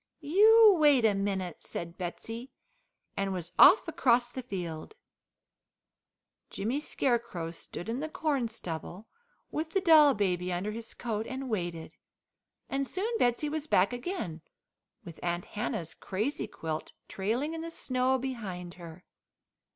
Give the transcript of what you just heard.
"You wait a minute," said Betsey, and was off across the field. Jimmy Scarecrow stood in the corn stubble, with the doll baby under his coat and waited, and soon Betsey was back again with Aunt Hannah's crazy quilt trailing in the snow behind her.